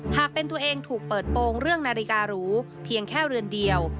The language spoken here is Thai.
หากเป็นตัวเองถูกเปิดโปรงเรื่องนาฬิการูเพียงแค่เรือนเดียว